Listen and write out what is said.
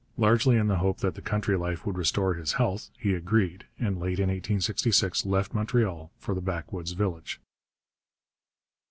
Largely in the hope that the country life would restore his health, he agreed, and late in 1866 left Montreal for the backwoods village.